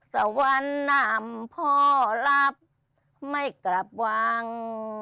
สวรรค์นำพ่อรับไม่กลับวัง